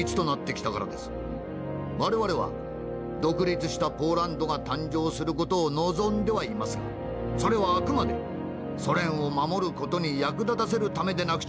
我々は独立したポーランドが誕生する事を望んではいますがそれはあくまでソ連を守る事に役立たせるためでなくちゃならない」。